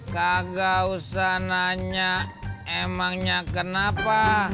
kagak usah nanya emangnya kenapa